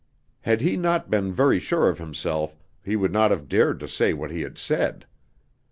Had he not been very sure of himself he would not have dared to say what he had said.